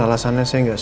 harus saja dihapus